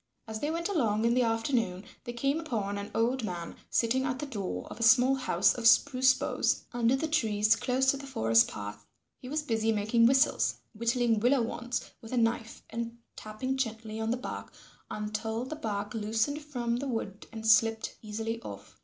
As they went along in the afternoon, they came upon an old man sitting at the door of a small house of spruce boughs under the trees close to the forest path. He was busy making whistles, whittling willow wands with a knife and tapping gently on the bark until the bark loosened from the wood and slipped easily off.